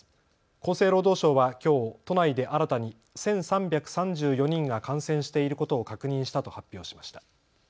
厚生労働省はきょう都内で新たに１３３４人が感染していることを確認したと発表しました。